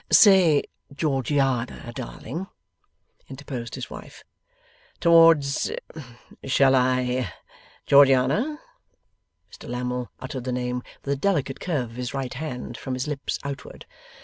'Say Georgiana, darling,' interposed his wife. 'Towards shall I? Georgiana.' Mr Lammle uttered the name, with a delicate curve of his right hand, from his lips outward.